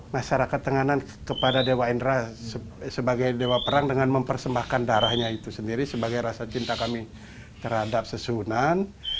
masyarakat tenganan kepada dewa indra sebagai dewa perang dengan mempersembahkan darahnya itu sendiri sebagai rasa cinta kami terhadap susunan